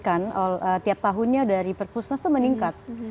jumlah isbn yang diterbitkan tiap tahunnya dari perpusnas itu meningkat